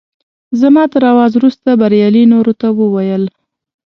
زما تر اواز وروسته بریالي نورو ته وویل.